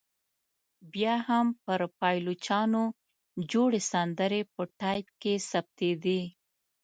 بیا هم پر پایلوچانو جوړې سندرې په ټایپ کې ثبتېدې.